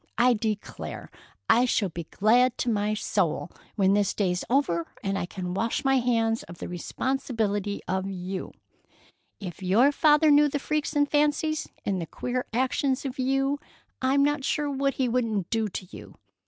I declare I shall be glad to my soul when this day's over and I can wash my hands of the responsibility of you. If your father knew the freaks and fancies and the queer actions of you I'm not sure what he wouldn't do to you!